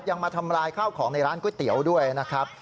มาทำลายข้าวของในร้านก๋วยเตี๋ยวด้วยนะครับ